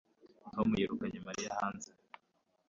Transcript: Tom yirukanye Mariya hanze